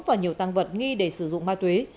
và nhiều tăng vật nghi để sử dụng ma túy